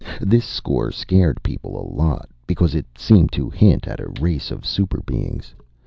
This score scared people a lot, because it seemed to hint at a race of super beings.